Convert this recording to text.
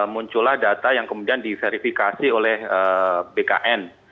muncullah data yang kemudian diverifikasi oleh bkn